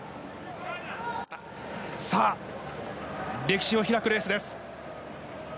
歴史を開くレースです。